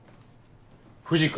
藤君